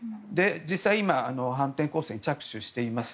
実際、今、反転攻勢に着手しています。